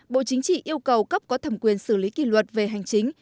bộ chính trị yêu cầu cấp có thẩm quyền xử lý kỷ luật về hành chính